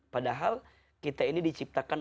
padahal kita ini diciptakan